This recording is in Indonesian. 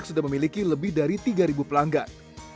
dan juga memiliki lebih dari tiga ribu pelanggan